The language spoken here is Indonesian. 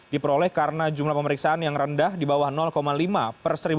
diperoleh karena jumlah pemeriksaan yang rendah di bawah lima persen